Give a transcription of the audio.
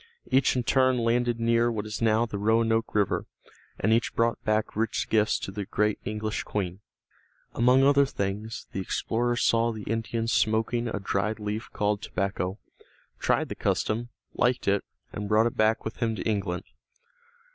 Each in turn landed near what is now the Roanoke River, and each brought back rich gifts to the great English Queen. Among other things the explorer saw the Indians smoking a dried leaf called tobacco, tried the custom, liked it, and brought it back with him to England.